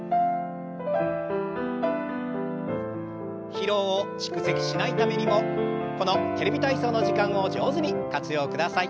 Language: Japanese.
疲労を蓄積しないためにもこの「テレビ体操」の時間を上手に活用ください。